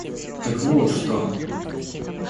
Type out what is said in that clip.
— Так вот что!